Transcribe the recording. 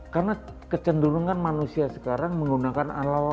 karena kecenderungan manusia sekarang menggunakan analog lagi